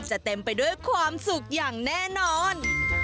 เต็มไปด้วยความสุขอย่างแน่นอน